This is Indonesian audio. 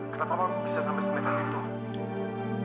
kenapa pak bisa sampai seneng seneng itu